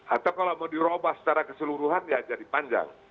atau kalau mau dirobah secara keseluruhan ya jadi panjang